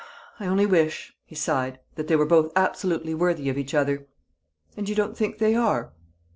"I only wish," he sighed, "that they were both absolutely worthy of each other!" "And you don't think they are?"